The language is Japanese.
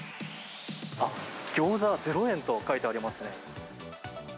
あっ、餃子０円と書いてありますね。